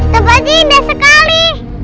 tempatnya indah sekali